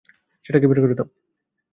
সেটাকে বের করে দেও।